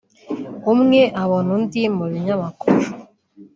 umwe abona undi mu binyamakuru